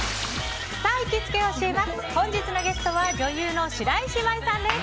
本日のゲストは女優の白石麻衣さんです。